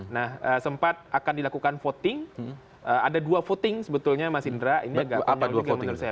nah sempat akan dilakukan voting ada dua voting sebetulnya mas indra ini agak panjang menurut saya